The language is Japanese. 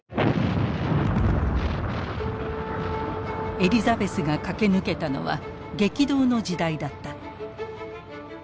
エリザベスが駆け抜けたのは激動の時代だった。